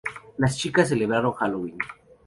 Las chicas celebraron Halloween.